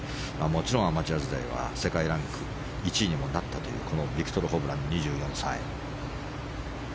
もちろんアマチュア時代は世界ランク１位にもなったというこのビクトル・ホブラン２４歳。